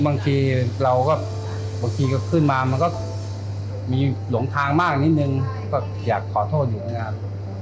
บางทีเราก็บางทีก็ขึ้นมามันก็มีหลงทางมากนิดนึงก็อยากขอโทษอยู่เหมือนกัน